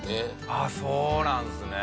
ああそうなんですね。